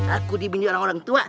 aku dibindu orang orang tua